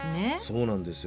そうなんですよね。